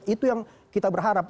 itu yang kita berharap